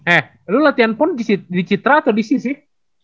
eh lu latihan pon di citra atau di sis sih